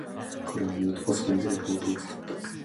彼はノートパソコンでレポートを作成しました。